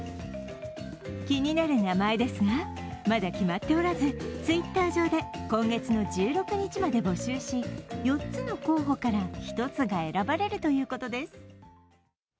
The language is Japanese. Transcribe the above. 気になる名前ですが、まだ決まっておらずＴｗｉｔｔｅｒ上で今月の１６日まで募集し４つの候補から１つが選ばれるということです。